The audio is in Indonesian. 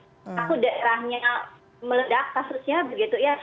aku daerahnya meledak kasusnya begitu ya